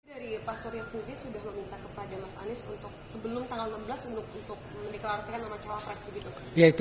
dari pak surya sendiri sudah meminta kepada mas anies untuk sebelum tanggal enam belas untuk mendeklarasikan nama cawapres begitu